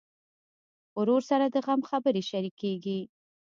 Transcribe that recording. ورور سره د غم خبرې شريکېږي.